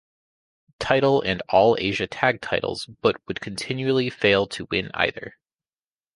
Title and All Asia Tag Titles but would continually fail to win either.